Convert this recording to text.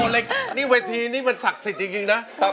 แล้วเวทีนี่มันศักดิ์สิทธิ์จริงนะ